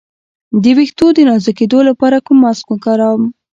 د ویښتو د نازکیدو لپاره کوم ماسک وکاروم؟